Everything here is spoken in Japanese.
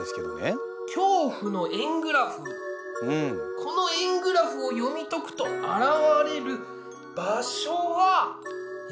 この円グラフを読み解くと現れる場所は？えっ？